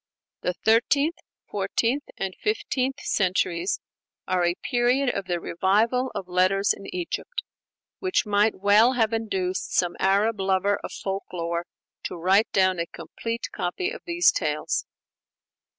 The thirteenth, fourteenth, and fifteenth centuries are a period of the revival of letters in Egypt, which might well have induced some Arab lover of folk lore to write down a complete copy of these tales.